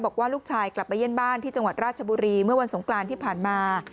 บอกว่าลูกชายกลับไปเยี่ยมบ้านที่จังหวัดราชบุรีเมื่อวันสงกรานที่ผ่านมา